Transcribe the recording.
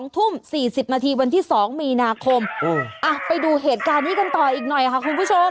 ๒ทุ่ม๔๐นาทีวันที่๒มีนาคมไปดูเหตุการณ์นี้กันต่ออีกหน่อยค่ะคุณผู้ชม